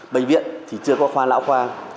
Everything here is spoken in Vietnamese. bệnh viện thì chưa có khoa lão khoa